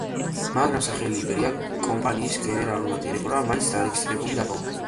მაგრამ სახელი „იბერია“, კომპანიის გენერალურმა დირექტორმა მაინც დარეგისტრირებული დატოვა.